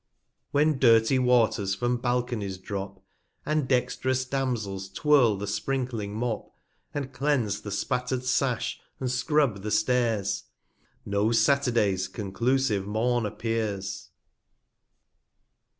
When dirty Waters from Balconies drop, E 2 6 TR And dextrous Damsels twirle the sprinkling Mop, 300 K I And cleanse the spatter'd Sash, and scrub the Stairs; Know Saturdays conclusive Morn appears.